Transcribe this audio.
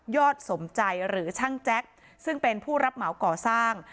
สมใจหรือช่างแจ็คซึ่งเป็นผู้รับเหมาก่อสร้าง